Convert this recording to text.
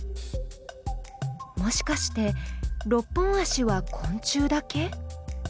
もしかして６本足は昆虫だけ？